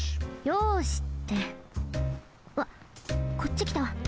「よし」ってわっこっちきた。